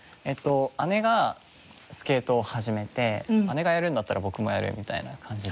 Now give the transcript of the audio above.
姉がスケートを始めて姉がやるんだったら僕もやるみたいな感じで。